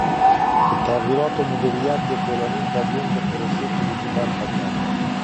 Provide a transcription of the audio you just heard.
د تغییراتو مدیریت د ټولنیز بدلون د پروسې کلیدي برخه ده.